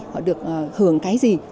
họ được hưởng cái gì